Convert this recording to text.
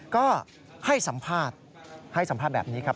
ก็ให้สัมภาษณ์แบบนี้ครับ